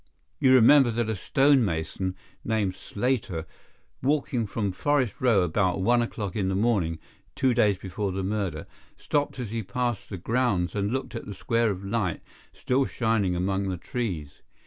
"You remember that a stonemason, named Slater, walking from Forest Row about one o'clock in the morning—two days before the murder—stopped as he passed the grounds and looked at the square of light still shining among the trees.